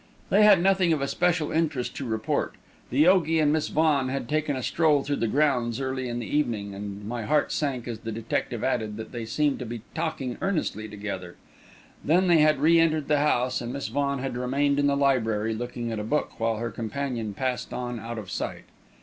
They had nothing of especial interest to report. The yogi and Miss Vaughan had taken a stroll through the grounds early in the evening; and my heart sank as the detective added that they seemed to be talking earnestly together. Then they had re entered the house, and Miss Vaughan had remained in the library looking at a book, while her companion passed on out of sight.